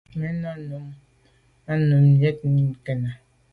Màa nèn mum nà i num neywit kena.